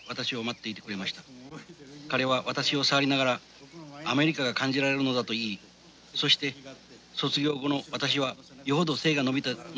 彼は私を触りながらアメリカが感じられるのだと言いそして卒業後の私はよほど背が伸びたのではないかと訝りました。